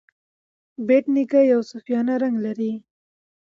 بېټ نیکه شعر یو صوفیانه رنګ لري.